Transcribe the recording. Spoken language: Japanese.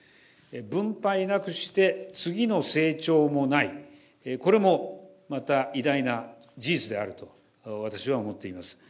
分配なくして、次の成長もない、これもまた偉大な事実であると私は思っています。